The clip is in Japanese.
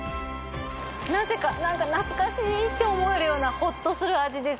なぜかなんか懐かしいって思えるようなホッとする味です